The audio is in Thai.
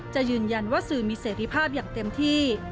จะยืนยันว่าสื่อมีเสรีภาพอย่างเต็มที่